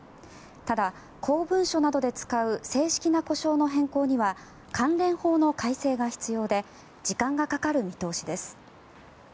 ただ、公文書などで使う正式な呼称の変更には関連法の改正が必要で時間がかかる見通しです。